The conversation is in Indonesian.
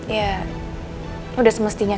ya udah semestinya